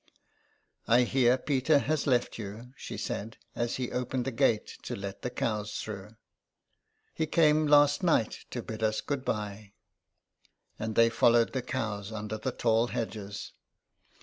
" I hear Peter has left you," she said, as he opened the gate to let the cows through. He came last night to bid us good bye." And they followed the cows under the tall hedges.